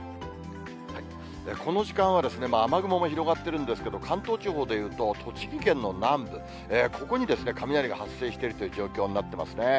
この時間は、雨雲も広がっているんですけれども、関東地方で言うと、栃木県の南部、ここに雷が発生しているという状況になっていますね。